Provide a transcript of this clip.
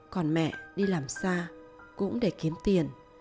còn mẹ đi làm xa cũng để kiếm tiền